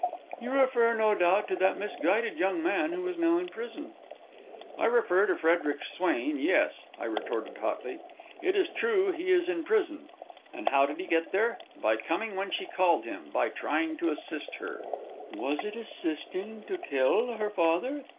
"You refer, no doubt, to that misguided young man who is now in prison." "I refer to Frederic Swain, yes," I retorted hotly. "It is true he is in prison. And how did he get there? By coming when she called him; by trying to assist her." "Was it assisting her to kill her father?"